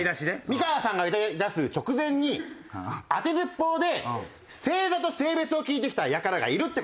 美川さんが歌いだす直前に当てずっぽうで星座と性別を聞いてきたやからがいるって事なんですよ。